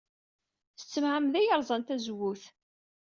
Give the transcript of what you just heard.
S tmeɛmada ay rẓan tazewwut.